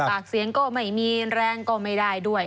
ปากเสียงก็ไม่มีแรงก็ไม่ได้ด้วย